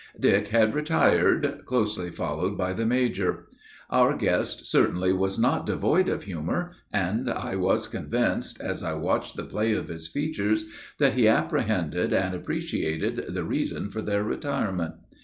Dick had retired, closely followed by the major. Our guest certainly was not devoid of humor, and I was convinced, as I watched the play of his features, that he apprehended and appreciated the reason for their retirement.